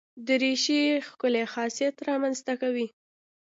دریشي ښکلی شخصیت رامنځته کوي.